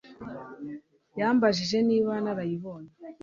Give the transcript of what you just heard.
Yambajije niba narayibonye